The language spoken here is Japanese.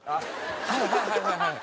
はいはいはいはいはい。